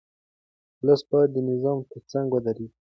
ولس باید د نظام ترڅنګ ودرېږي.